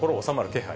気配